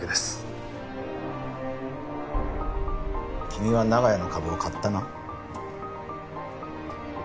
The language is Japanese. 君は長屋の株を買ったな？